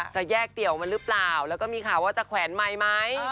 จะแยกเดี่ยวมันหรือเปล่าแล้วก็มีข่าวว่าจะแขวนไมค์ไหม